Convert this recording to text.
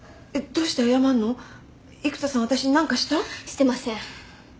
してません。